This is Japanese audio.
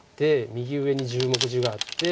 右上に１０目地があって。